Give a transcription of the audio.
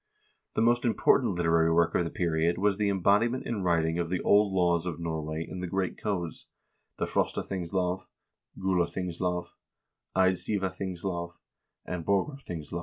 The most important literary work of the period was the embodi ment in writing of the old laws of Norway in the great codes : the "Frostathingslov," " Gulathingslov," " Eidsivathingslov," and " Borg arthingslov."